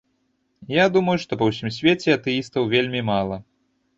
Я думаю, што па ўсім свеце атэістаў вельмі мала.